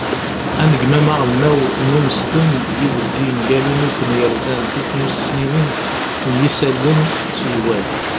anegmam aɣelnaw n umesten d yibeddi mgal unufen yerzan tiknussniwin n yisallen d teywalt